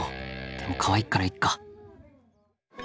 でもかわいいからいっか。